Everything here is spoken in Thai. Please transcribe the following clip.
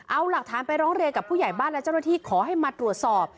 เอาหลักฐานไปร้องเรียนกับผู้ใหญ่บ้านและเจ้าหน้าที่ขอให้มาตรวจสอบ